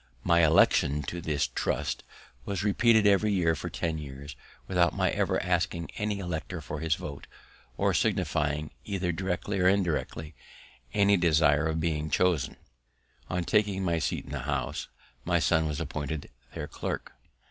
My election to this trust was repeated every year for ten years, without my ever asking any elector for his vote, or signifying, either directly or indirectly, any desire of being chosen. On taking my seat in the House, my son was appointed their clerk.